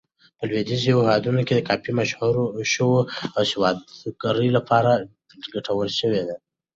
په لویدیځو هېوادونو کې کافي مشهور شو او د سوداګرۍ لپاره ګټوره شوه.